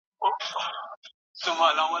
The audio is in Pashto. ښوونکي تر اوسه ښه روزنه کړې ده.